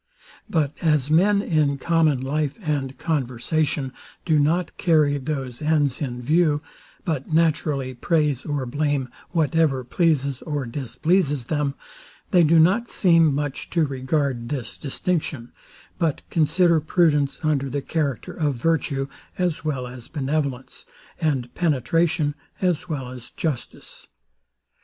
But as men, in common life and conversation, do not carry those ends in view, but naturally praise or blame whatever pleases or displeases them, they do not seem much to regard this distinction, but consider prudence under the character of virtue as well as benevolence, and penetration as well as justice.